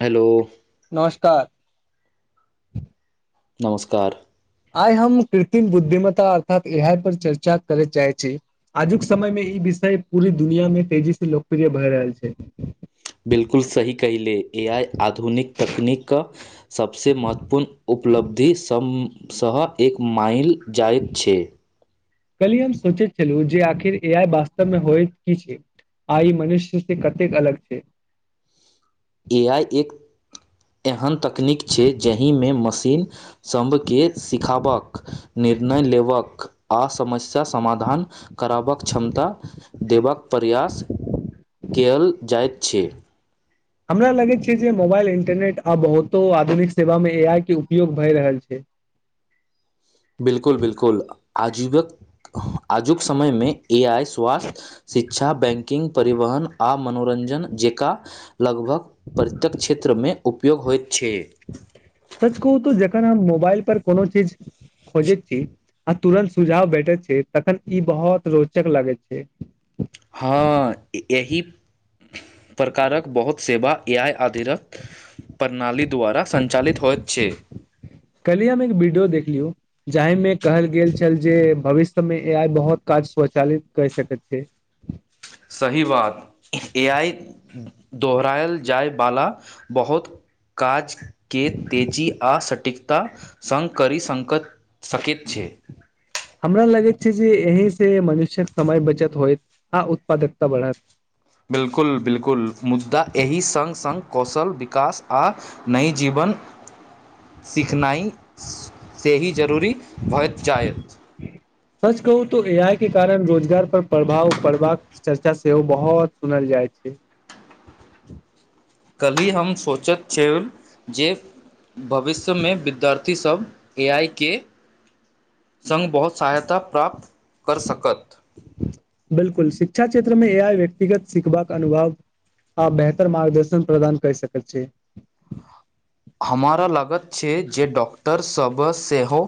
Hello ता नमस्कार आइ हम कृत्रिम बुद्धिम्ता अर्थात इहा पर चर्चा करे चाहे छी आजुक समय में ई पूरी दुनिया मे तेजी से लोकप्रिय भए रहल छै बिल्कुल सही कहिले ए आइ आधुनिक तकनीकके सबसँ सँव एक माइल जाइत छै कलि हम सोचैत छलहुँ जे आखिर ए आ वास्तव में होइत की छै आइ मनुष्य से कतेक अलग छै ए आइ एक एहन तकनीक छै जहि में मशीन सभके सिखबाक नहि निर्णय लेबबक आ समस्या समाधान करबाकक क्षमता देबाक परड़ प्रयास केल जाइत छै हमरा लगैत छै जे मोबाइल इंन्टरनेट आ बहुतो आधुनिक सेवा में ए आइ के उपयोग भए रहल छै [inaudible] बिलकुल बिलकुल आ जीवक आजुक समय मे ए आई स्वास्थ्य शिक्षा बैंकिंग पर परिवहन आ मनोरंजन जका लगभग प्रत्येक क्षेत्र में उपयोग होइत छै सच कहू तऽ जखन हम मोबाइल पर कोनो चीज खोजैत छी आ तुरन्त सुझाव भेटैत छै तखन ई बहुत रोचक लगैत छै [inaudible] हाँ यही प्रकारक बहुत सेवा ए आइ अधिरत प्रणाली द्वारा संचालित होइत छै जाहि में कहल गेल छल जे भविष्य में ए आइ बहुत काज स्वचालित कए सकैत छै [inaudible] सही बात ए आइ दोहरायल जाय वाला बहुत काज के तेजी आ सटीकता संग करी सक छै हमरा लगैत छै जे एहि सँ मनुष्यक समय बचत होइत आ उत्पादकता बढ़त बिल्कुल बिल्कुल कास आ नहि जीवन सीखनाइ सँ ही जरूरी भइत जाइत सच कहू तो ए आई के कारण रोजगार पर प्रभाव पड़बाक चर्चा सेहो बहुत सुनल जाय जाय छै कल्ही हम सोचैत छिय जे भविष्य में विद्यार्थी सभ ए आइ के संग बहुत सहायता प्राप्त कर सकत बिलकुल शिक्षा क्षेत्र में ए आइ व्यक्तिगत सिखबाक अनुभव आ बेहतर मार्गदर्शन प्रदान कए सकैत छै हमारा लागत छै जे डॉक्टर सभ सेहो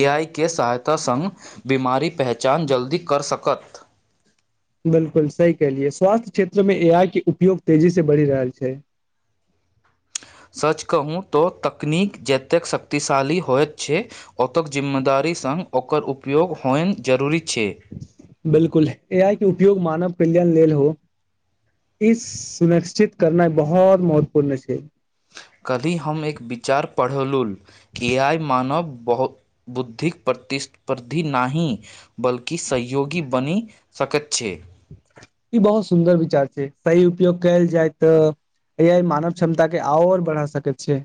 ए आई के सहायता संग बीमारी पहचान पहचान जल्दी कर सकत [inaudible] बिलकुल सही कहलिये स्वास्थ्य क्षेत्र मे ए आइ के उपयोग तेजी से बढ़ि रहल छै [inaudible] सच कहू तो तकनीक जतेक शक्तिशाली होइत छै ओतेक जिम्मेदार संग ओकर उपयोग होइ जरूरी छै बिलकुल ए आइ उपयोग मानव कल्याण लेल हो इस सुरक्षित करना बहुत महत्वपूर्ण छै कली हम एक विचार पढ़लहु ए आइ मानब बहुत बुद्धिके प्रति स्पर्धी नहि बल्कि सहयोगी बनि सकैत छै ई बहुत सुन्दर विचार छै सही उपयोग कयल जाय तऽ ए आइ मानव क्षमता के आओर बढ़ा सकैत छियै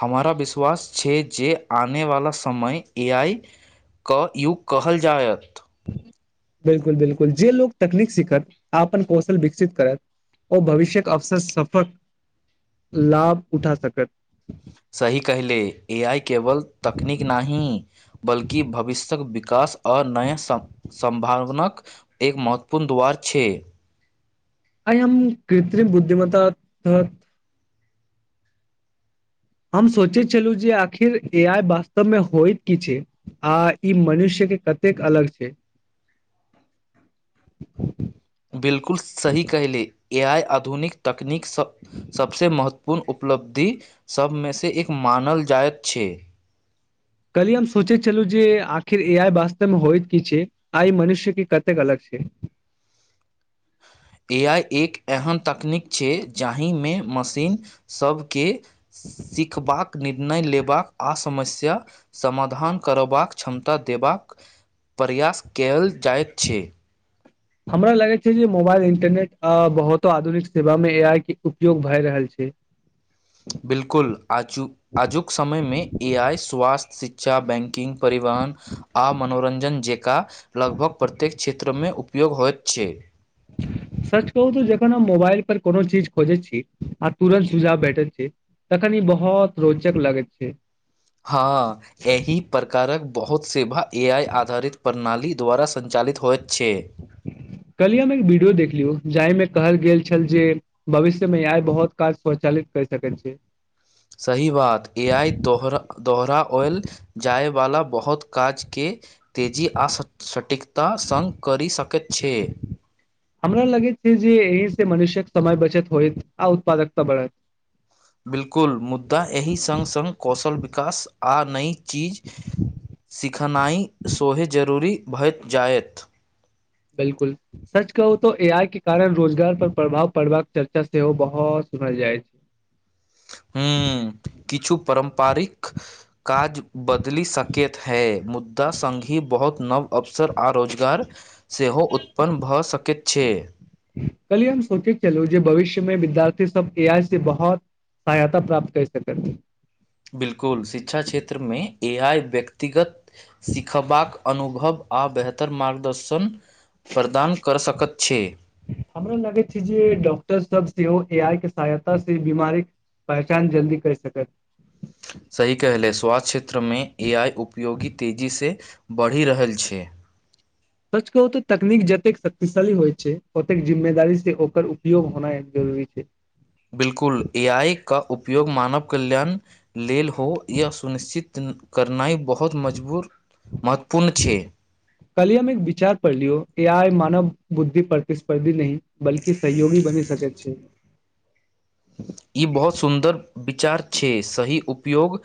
हमारा विश्वास छै जे आने वाला समय ए आई क यूग कहल जायत बिलकुल बिलकुल जे लोको तकनीक सिखत अपनन कौशल विकसित करत ओ भविष्य्यकके अवसर सफक लाभ उठा सकत सही कहले ए आई केवल तकनीक नहि बल्कि भविष्यक विकास आ नया सम संभावनक एक महत्वपूर्ण द्वार छै आय हम कृत्रिम बुद्धिमता हम सोचैत छलहुँ जे आखिर ए आइ वास्तवमे होइत की छै आ ई मनुष्य कतेक अलग छै बिलकुल सही कहले ए आइ आधुनिक तकनीक स सबसँ महत्व पूर्ण उपलब्धि सभमेसँ एक मानल जाइत छै कहली हम सोचे छलहु जे आखिर ए आ वास्तव मे होइत की छै आइ मनुष्य के कतेक अलग छै [unintelligible] ए आइ एक एहन तकनीक छै जाहिमे मशीन सभके सीखबाक निर्णय लेबाक आओर समस्या समाधान करबाक क्षमता देबाक [inaudible] प्रयास कैल जाइत छै [inaudible] हमरा लगे छै जे मोबाइल इंटरनेट अ बहुतो आधुनिक सेवा मे ए आइ के उपयोग भए रहल छै [inaudible] बिल्कुल आजुक आजुक समयमे ए आइ स्वास्थ्य शिक्षा बैंकिंग परिवहन आ मनोरंजन जेका लगभग प्रत्येक क्षेत्रमे उपयोग होइत छै [unintelligible] सर्च कहू तऽ जखन हम मोबाइल पर कोनो चीज खोजैत छी आ तुरंत सुझाव भेटैत छै तखन ई बहुत रोचक लगैत छै हँ एहि प्रकारक बहुत सेवा ए आइ आधारित प्रणाली द्वारा संचालित होयत कलहि हम एक वीडियो देखलु लियौ जाइमे कहल गेल छल जे भविष्यमे आइ बहुत काज स्वचालित करि सकैत छै सही बात ए आई दोहरा ऑयल जायवलाा बहुत काज के तेजी आ सटीकता संग करी सकैत छै हमरा लगैत छै जे एहिसँ मनुष्य्यक समय बचत होइत आ उत्पादकता बढ़त बिलकुल मुद्दा एहि संग संग कौशल विकास आ नई चीज सिखनाइ सोहे जरूरी भइत जायत बिलकुल सच कहू त ए आइ के कारण रोजगार पर प्रभाव पड़बाक चर्चा सेहो बहुत सुनल जाइ छै हूं किछु परम्पारिक काज बदलि सकैत है मुद्दा संगही बहुत नव अवसर आ रोजगार सेहो उत्पन्न भऽ सकैत छै से हम सोचैत चलौं जे भविष्य में विद्यार्थी सब एआइ से बहुत सहायता प्राप्त करि सकत बिल्कुल शिक्षा क्षेत्र में ए आइ व्यक्तिगत सिखबाक अनुभव आओर बेहतर मार्गदर्शन प्रदान कऽ सकैत छै। हमरा लागय छै जे डॉक्टर सब सेहो एआइ के सहायता से ई बीमारीक पहचान जल्दी कय सकत सही कहले स्वास्थ्य क्षेत्र में ए आइ उपयोगी तेजी सँ बढ़ि रहल छै सच कहू तऽ तकनीक जतेक शक्तिशाली होइ छै ओतेक जिम्मेदारी से ओकर उपयोग होनाय भी छै बिलकुल ए आई का उपयोग मानव कल्याण लेल हो यह सुनिश्चित करनाइ बहुत मजबूर महत्वपूर्ण छै कल्हि हम एक विचार पढ़लियौ ए आइ मानव बुद्धि प्रतिस्पर्धी नहीं बल्कि सहयोगी बनि सके छै [inaudible] ई बहुत सुन्दर विचार छै सही उपयोग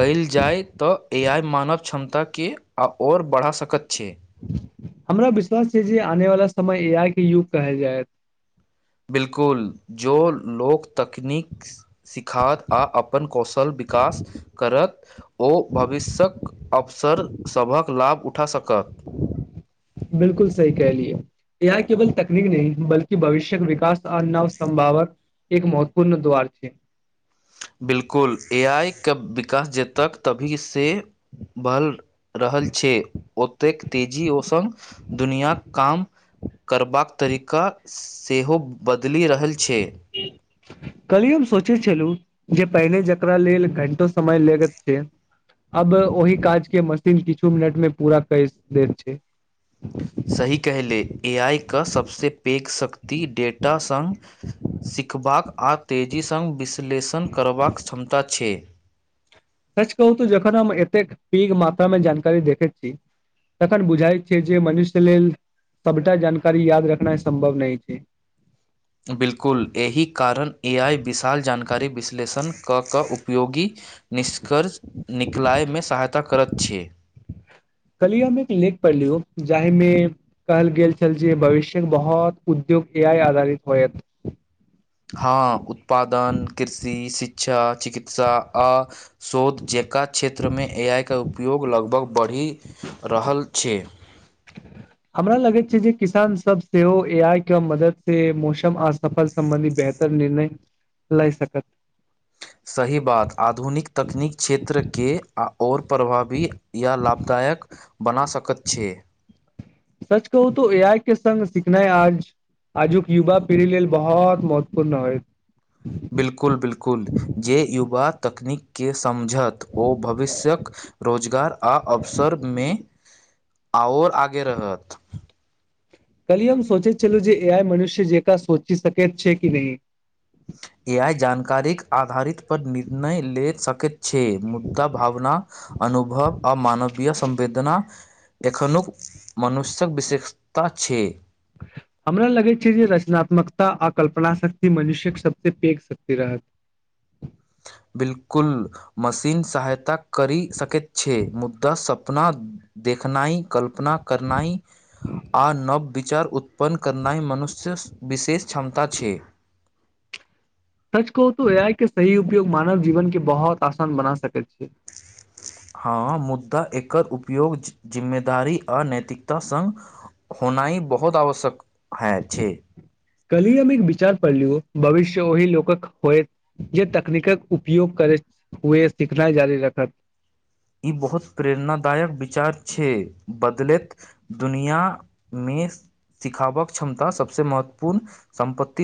कयल जाय तऽ एआइ मानव क्षमता के आओर बढ़ा सकैत छै हमरा विश्वास छै जे आने वला समय ए आइ के युग कहल जायत बिलकुल जो लोक तकनीक सिखात आ अपन कौशल विकास करत ओ भविष्यक अवसर सभक लाभ उठा सकत बिलकुल सही कह लियए एआई केवल तकनीक नहि बल्की भविष्य्यक विकास आ नव समभावक एक महत्वपूर्ण द्वार छै बिलकुल ए आई के विकास जतक तभी से बहल रहल छै ओतेक तेजी ओ संग दुनीयाक काम करबाक तरीका सेहो बदली रह कलिये हम सोचे चलू जे पहिने जेकरा लेल घंटो समय लगैत छै अब ओहि काजके मशीन किछु मिनट मे पूरा कय देैत छै सही कहले ए आइ के सभसँ पेघ शक्ति डेटा सङ्ग सिखबाक आ तेजी सङ्ग विश्लेषण करबाक क्षमता छै सच कहू त जखन हम एतेक पैघ मात्रा में जानकारी देखै छी तखन बुझाइत छै जे मनुष्य लेल सबटा जानकारी याद रखना सम्भव नहि छै बिल्कुल, एहि कारण क क उपयोगी निष्कर्ष निकलाय में सहायता करैत छै कलि हममे एक लेख पढ़लीयो जाहिमे कहल गेल छल जे भविष्यके बहुत उद्योग ए आइ आधारित होयत [inaudible] हँ उत्पादन कृषि शिक्षा चिकित्सा आ शोध जेका क्षेत्र में ए आइ का उपयोग लगभग बढ़ि रहल छै [unintelligible] हमरा लगैत छै जे किसान सब सेहो ए आइ के मदद से मौसम अ सफल सम्बंधी बे निर्णय लए सकत सही बात आधुनिक तकनीक क्षेत्र के आओर प्रभावी या लाभदायक लायक सच कहू तऽ ए आइ के संग सिखनाइ आज आजुक युवा पीढ़ी लेल बहुत महत्वपूर्ण होयत बिलकुल बिलकुल जे युवा तकनीक के समझत ओ भविष्यक रोजगार आ अवसर मे आओर आगे रहत कल हम सोचे चलू जे ए आइ मनुष्य जेका सोचि सके छै कि नहि ए आइ जानकारी आधारित पर निर्णय ले सकैत छै मुद्दा भावना अनुभव आ मानवीय संवेदना एखनहुक मनुष्यक विशेषता छै हमरा लगै छै जे रचनात्मकता आ कल्पना शक्ति मनुष्यक सभसँ पैघ शक्ति रहत [inaudible] बिल्कुल मशीन सहायता करि सकैत छै मुदा सपना दे लिखनाइ कल्पना करनाइ आ नव विचार उत्पन्न करनाइ मनुष्य विशेष क्षमता छै [inaudible] सच कह तो ए आइ के सही उपयोग मानव जीवन के बहुत आसान बना सकैत छियै हाँ, मुदा एकर उपयोग जिम्मेदारी आ नैतिकता स होनाई बहुत आवश्यक है छै कली अमे विचार पड़लिय भविष्य ओहि लोकक होयत जे तकनीकक उपयोग कर हुए सिखनाइ जारी रखत ई बहुत प्रेरणादायक विचार छै बदलैत दुनिया मे सिखावक क्षमता सभसँ महत्वपूर्ण संपति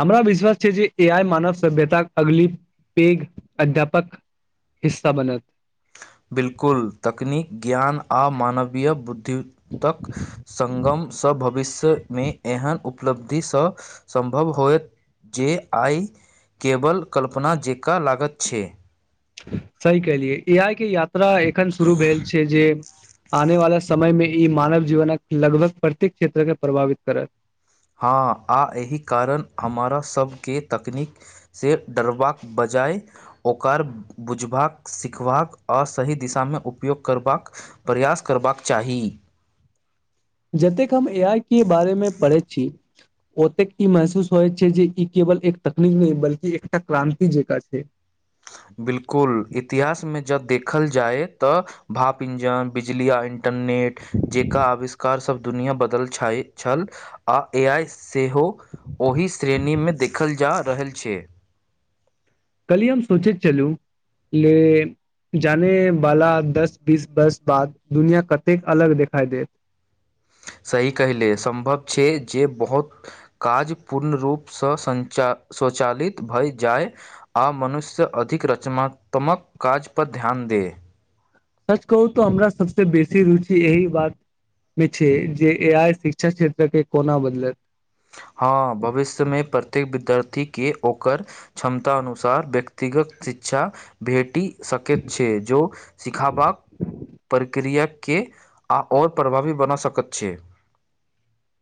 हमरा विश्वास छै जे ए आइ मानव सभ्यताक अगली पैघ अध्यापक हिस्सा बनत बिलकुल तकनीक ज्ञान आ मानवीय बुद्धि संगमसँ भविष्यमे एहन उप उपलब्धिसँ सम्भव होयत जे आइ केबल कल्पना जेकाँ लागत छै सही कहलियै ए आइ के यात्रा एखन शुरू भेल छै जे आने वाला समय में ई मानव जीवनक लगभग प्रत्येक क्षेत्र के प्रभावित करत हँ आ एहि कारण हमरा सभके तकनीक से डरबाक बजाय ओकर बुझबाक सिखबाक असहित दिशामे उपयोग करबाक प्रयास करबाक चाही [inaudible] जतेक हम ए आइ के बारे मे पढ़ै छी ओतेक ई महसूस होइ छै जे ई के बल एक तकनीक नहि बलि एकटा क्रान्ति जेका छै बिलकुल इतिहासमे जब देखल जाय तऽ भाप इंजन बिजली आ इं इन्टरनेट जेका आविष्कार सब दुनिया बदल छल आ ए आइ सेहो ओहि श्रेणीमे देखल जा रहल छै कली हम सोचैत छलू ले जाने वाला दस बीस वर्ष बाद दुनिया कतेक अलग देखाई देत [inaudible] सही कहले सम्भव छै जे बहुत काज पूर्ण रूपसँ संचित स्वचालित भए जाय आ मनुष्य अधिक रचनात्मक काज पध ध्यान दे सच कहू तऽ हमरा सबस बेसी रुचि यही बात मे छै जे ए आइ शिक्षा क्षेत्र मे कोना बदलत हँ भविष्यमे प्रत्येक विद्यार्थीके ओकर क्षमताननुसार व्यक्तिगत शिक्षा भेटि सकैत छै जो सिखबाक प्रक्रिया के आ आओर प्रभावी बना सकैत छियै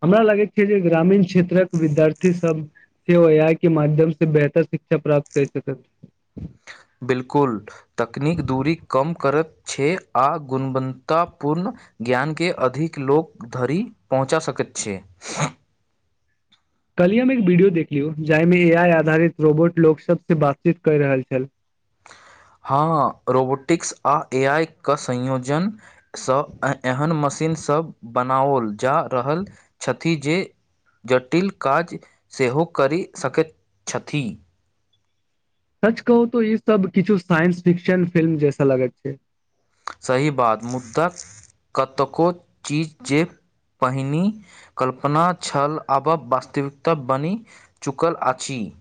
हमरा लागैत छै जे ग्रामीण क्षेत्रक विद्यार्थी सब सेहो ए आई के माध्यम से बेहतर शिक्षा प्राप्त केर सकत बिलकुल तकनीक दूरी कम करैत छै आ गुणवत्तापूर्ण ज्ञान के अधिक लोक धरि पहुँचा सकैत छै [inaudible] कल्हि हम एक वीडियो देख लियौ जाहिमे ए आइ आधारित रोबोट लोक सबसँ बातचीत कर रहल छल [inaudible] हँ रोबोटिक्स आ ए आई के संयोजनसँ एहन मशीन सभ बनाओल जा रहल छथि जे जटिल काज सेहो करि सकैत छथि सच कहू तो ई सब किछु साइंस फिक्शन फिल्म जैसा लगैत छै सही बात मुद्दा कतको चीज जे पहिनी कल्पना छल आब वास्तविकता बनि चुकल अछि [inaudible]